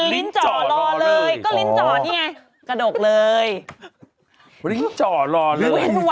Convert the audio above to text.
ลิ้นเจาะรอเลยก็ลิ้นเจาะเนี่ยกระดกเลย